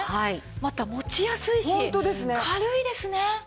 また持ちやすいし軽いですね。